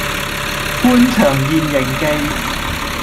官場現形記